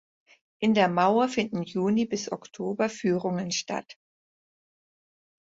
In der Mauer finden Juni–Oktober Führungen statt.